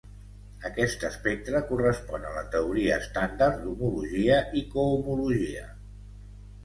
Aquest espectre correspon a la teoria estàndard d'homologia i cohomologia.